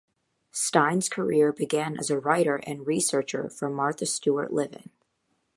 Stein's career began as a writer and researcher for "Martha Stewart Living".